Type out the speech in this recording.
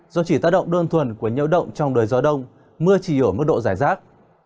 do chỉ tác động đơn thuần của nhiễu động trong đời gió đông mưa chỉ ở mức độ giải rác